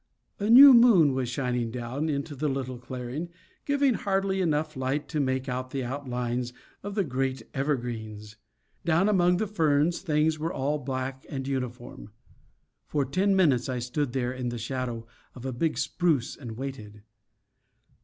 A new moon was shining down into the little clearing, giving hardly enough light to make out the outlines of the great evergreens. Down among the ferns things were all black and uniform. For ten minutes I stood there in the shadow of a big spruce and waited.